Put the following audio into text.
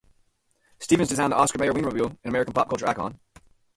Stevens designed the Oscar Mayer Wienermobile, an American pop-culture icon.